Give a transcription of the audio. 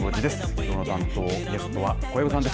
きょうの担当ゲストは小籔さんです